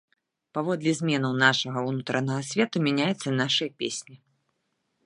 Паводле зменаў нашага ўнутранага свету мяняюцца нашыя песні.